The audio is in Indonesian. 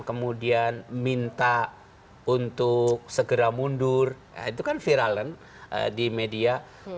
kemudian minta untuk segera mundur itu kan viralan di media